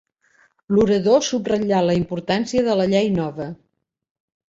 L'orador subratllà la importància de la llei nova.